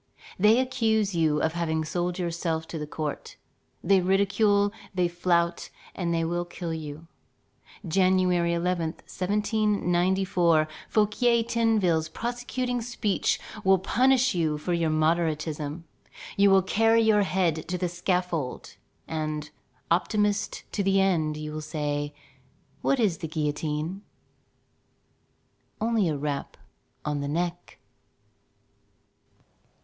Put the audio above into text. They accuse you of having sold yourself to the court. They ridicule, they flout, and they will kill you. January 11, 1794, Fouquier Tinville's prosecuting speech will punish you for your moderatism. You will carry your head to the scaffold, and, optimist to the end, you will say: "What is the guillotine? only a rap on the neck."